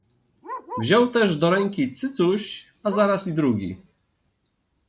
Wziął też do ręki cycuś, a zaraz i drugi